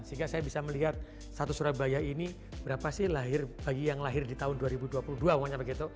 sehingga saya bisa melihat satu surabaya ini berapa sih bayi yang lahir di tahun dua ribu dua puluh dua pokoknya begitu